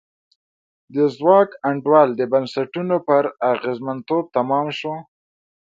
د ځواک انډول د بنسټونو پر اغېزمنتوب تمام شو.